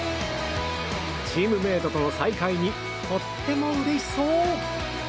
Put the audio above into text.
チームメートとの再会にとってもうれしそう。